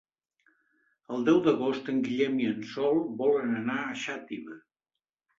El deu d'agost en Guillem i en Sol volen anar a Xàtiva.